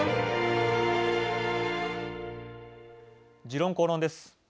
「時論公論」です。